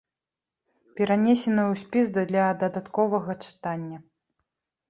Перанесеныя ў спіс для дадатковага чытання.